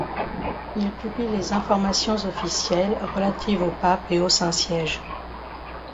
Il publie les informations officielles relatives au pape et au Saint-Siège.